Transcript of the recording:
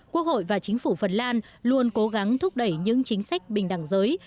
quốc hội và chính phủ phần lan luôn cố gắng thúc đẩy những chính sách bình đẳng giới